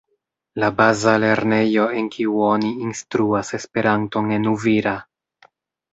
La baza lernejo en kiu oni instruas Esperanton en Uvira.